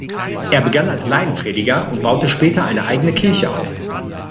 Er begann als Laienprediger und baute später eine eigene Kirche auf.